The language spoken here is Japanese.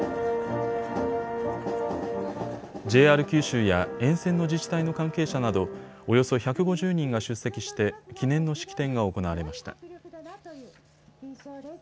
ＪＲ九州や沿線の自治体の関係者などおよそ１５０人が出席して記念の式典が行われました。